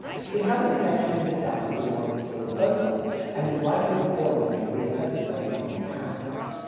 It has a connection with the South that was once still closer, and is likely before long to reassert itself with new power.